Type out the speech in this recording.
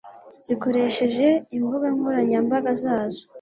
zikoresheje imbuga nkoranyambaga zazo